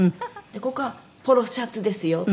「ここはポロシャツですよ。